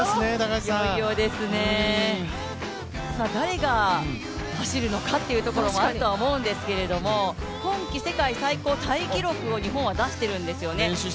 いよいよですね、誰が走るのかっていうところもあるとは思うんですけれども今季世界最高タイ記録を日本は出しているんですよね。